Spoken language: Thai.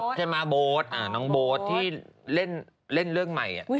ถามใช่ไหมโบสอ่าน้องโบสที่เล่นแรงใหม่อ่ะ